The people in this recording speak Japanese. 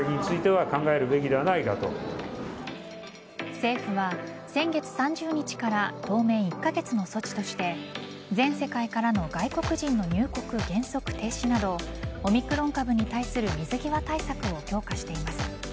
政府は先月３０日から当面１カ月の措置として全世界からの外国人の入国原則停止などオミクロン株に対する水際対策を強化しています。